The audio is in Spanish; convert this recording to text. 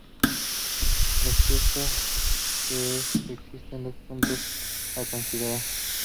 Lo cierto que es que existen dos puntos a considerar.